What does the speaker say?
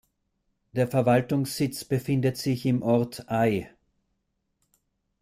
Der Verwaltungssitz befindet sich im Ort Ay.